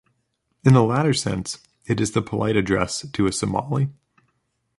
In the latter sense it is the polite address to a Somali.